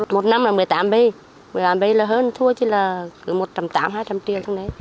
một năm là một mươi tám bê một mươi tám bê là hơn thua chỉ là một trăm tám mươi hai trăm linh triệu thôi đấy